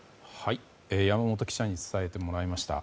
山本記者に伝えてもらいました。